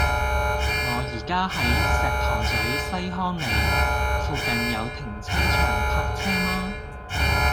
我依家喺石塘咀西康里，附近有停車場泊車嗎